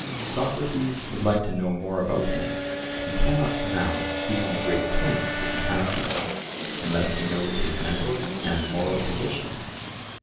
—Socrates would like to know more about him; he cannot pronounce even the great king to be happy, unless he knows his mental and moral condition.